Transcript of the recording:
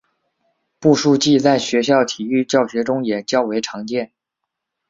步数计在学校体育教学中也较为常见。